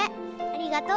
ありがと。